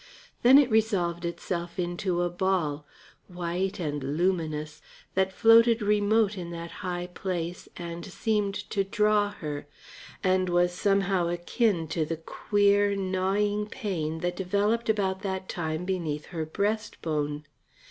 Then it resolved itself into a ball, white and luminous, that floated remote in that high place and seemed to draw her, and was somehow akin to the queer, gnawing pain that developed about that time beneath her breastbone.